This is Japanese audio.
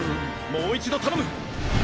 もう一度頼む！